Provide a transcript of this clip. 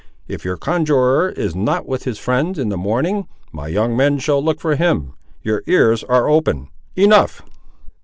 If your conjuror is not with his friends in the morning, my young men shall look for him. Your ears are open. Enough."